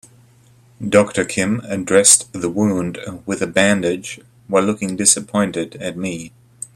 Doctor Kim dressed the wound with a bandage while looking disappointed at me.